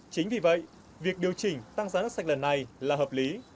chính vì vậy việc điều chỉnh tăng giá nước sạch lần này là hợp lý